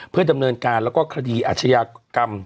เพื่อดำเนินการและคดีอัจฉยากรรม